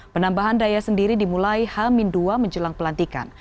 penambahan daya sendiri dimulai hal min dua menjelang pelantikan